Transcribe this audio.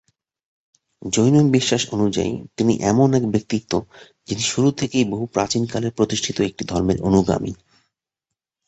জৈন বিশ্বাস অনুযায়ী, তিনি এমন এক ব্যক্তিত্ব যিনি শুরু থেকেই বহু প্রাচীনকালে প্রতিষ্ঠিত একটি ধর্মের অনুগামী।